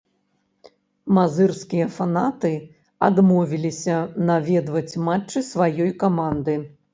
Мазырскія фанаты адмовіліся наведваць матчы сваёй каманды.